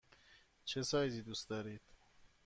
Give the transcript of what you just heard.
چه سایزی دوست دارید؟